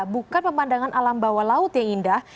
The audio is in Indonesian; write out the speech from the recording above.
bukan pemandangan alam bawah laut yang indah